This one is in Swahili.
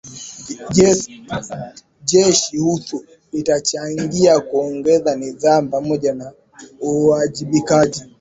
Jeshi Usu litachangia kuongeza nidhamu pamoja na uwajibikaji